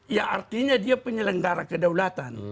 ya artinya dia penyelenggara kedaulatan